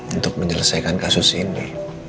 untuk menyelesaikan kasus ini